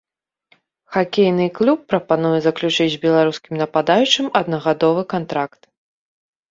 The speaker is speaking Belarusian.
Хакейны клуб плануе заключыць з беларускім нападаючым аднагадовы кантракт.